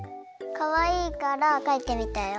かわいいからかいてみたよ。